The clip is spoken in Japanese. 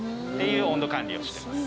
いう温度管理をしてます。